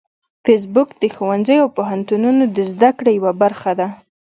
فېسبوک د ښوونځیو او پوهنتونونو د زده کړې یوه برخه ده